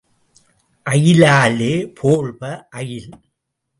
அயிலாலே போழ்ப அயில்.